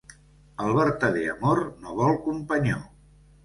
El vertader amor no vol companyó.